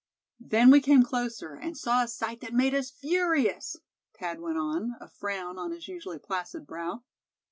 "Then we came closer, and saw a sight that made us furious," Thad went on, a frown on his usually placid brow.